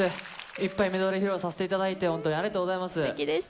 いっぱいメドレー披露させていただいて、本当にありがとうございすてきでした。